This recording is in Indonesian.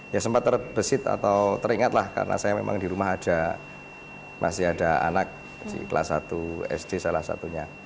ya sempat terbesit atau teringat lah karena saya memang di rumah ada masih ada anak di kelas satu sd salah satunya